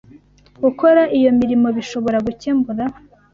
Gukora iyo mirimo bishobora gukemura